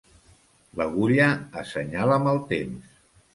L'agulla assenyala mal temps.